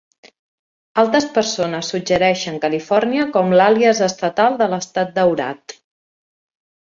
Altes persones suggereixen California com l"àlies estatal de l"Estat daurat.